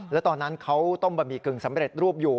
แล้วตอนนั้นเขาต้มบะหมี่กึ่งสำเร็จรูปอยู่